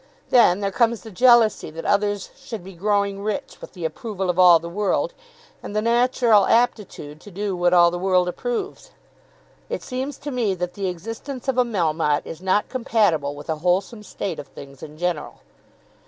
Then there comes the jealousy that others should be growing rich with the approval of all the world, and the natural aptitude to do what all the world approves. It seems to me that the existence of a Melmotte is not compatible with a wholesome state of things in general."